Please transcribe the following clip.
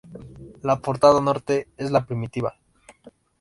La portada norte es la primitiva.